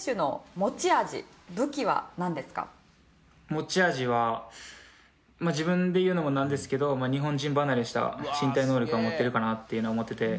持ち味は自分で言うのもなんですけど日本人離れした身体能力は持ってるかなっていうのは思ってて。